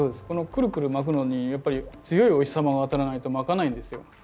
このくるくる巻くのにやっぱり強いお日様が当たらないと巻かないんですよ。